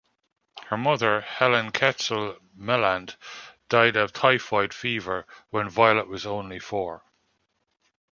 Her mother, Helen Kelsall Melland, died of typhoid fever when Violet was only four.